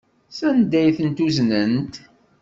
Sanda ay tent-uznent?